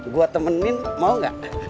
gue temenin mau gak